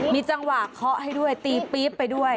มีจังหวะเคาะให้ด้วยตีปี๊บไปด้วย